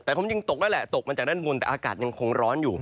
แต่ผมยังตกนั่นแหละตกมาจากด้านบนแต่อากาศยังคงร้อนอยู่